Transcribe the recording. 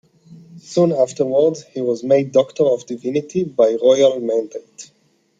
Soon afterwards, he was made Doctor of Divinity by royal mandate.